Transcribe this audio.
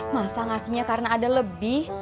masa ngasihnya karena ada lebih